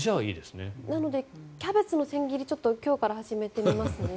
なので、キャベツの千切り今日から始めてみます。